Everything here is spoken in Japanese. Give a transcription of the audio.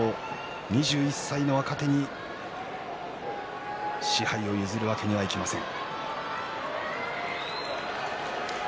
２１歳の若手に賜盃を譲るわけにはいきません。